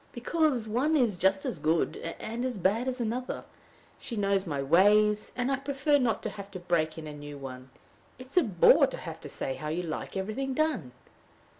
"Because one is just as good and as bad as another. She knows my ways, and I prefer not having to break in a new one. It is a bore to have to say how you like everything done."